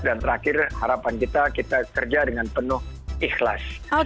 terakhir harapan kita kita kerja dengan penuh ikhlas